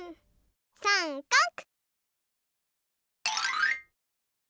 さんかく！